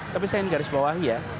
tapi saya ingin garis bawahi ya